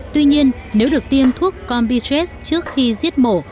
tuy nhiên nếu được tiêm thuốc compitress trước khi giết mổ